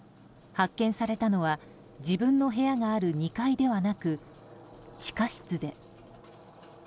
発見されたのは自分の部屋がある２階ではなく地下室で。